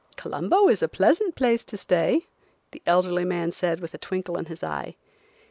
"Colombo is a pleasant place to stay," the elderly man said with a twinkle in his eye.